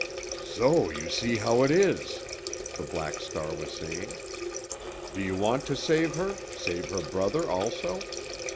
"So you see how it is," the Black Star was saying. "Do you want to save her, save her brother also?